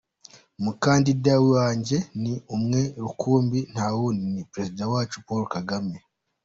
Umukandida wanjye ni umwe rukumbi, ntawundi, ni Perezida wacu Paul Kagame.